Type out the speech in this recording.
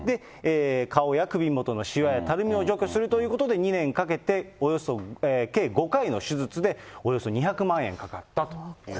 顔や首元のしわやたるみを除去するということで、２年かけて計５回の手術で、およそ２００万円かかったということです。